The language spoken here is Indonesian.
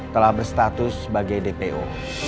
telah berstatus sebagai dpo